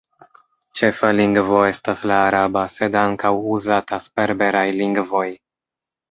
Ĉefa lingvo estas la araba, sed ankaŭ uzatas berberaj lingvoj.